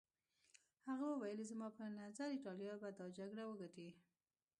هغه وویل زما په نظر ایټالیا به دا جګړه وګټي.